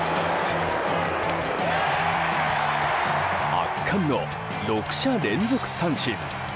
圧巻の６者連続三振。